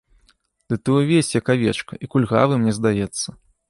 Ды ты ўвесь, як авечка, і кульгавы, мне здаецца.